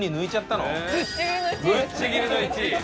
ぶっちぎりの１位。